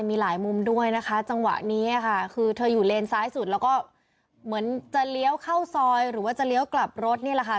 มีหลายมุมด้วยนะคะจังหวะนี้ค่ะคือเธออยู่เลนซ้ายสุดแล้วก็เหมือนจะเลี้ยวเข้าซอยหรือว่าจะเลี้ยวกลับรถนี่แหละค่ะ